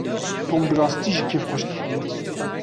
Tom bi rastî jî kêfxweş dixuye.